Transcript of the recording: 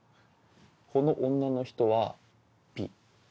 この女の人はピー。